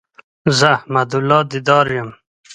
زه احمد الله ديدار يم